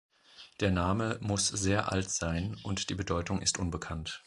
Der Name muss sehr alt sein, und die Bedeutung ist unbekannt.